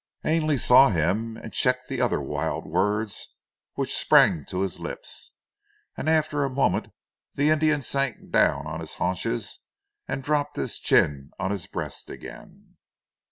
Ainley saw him and checked the other wild words which sprang to his lips, and after a moment the Indian sank down on his haunches and dropped his chin on his breast again.